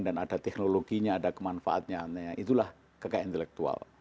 dan ada teknologinya ada kemanfaatnya itulah kekayaan intelektual